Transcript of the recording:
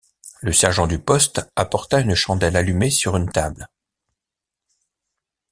Le sergent du poste apporta une chandelle allumée sur une table.